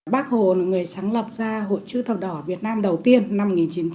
bác hồ là người sáng lập ra hội chữ thập đỏ việt nam đầu tiên năm một nghìn chín trăm bảy mươi